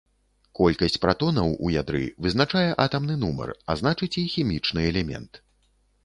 Колькасць пратонаў у ядры вызначае атамны нумар, а значыць і хімічны элемент.